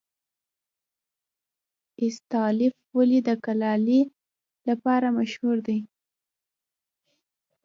استالف ولې د کلالۍ لپاره مشهور دی؟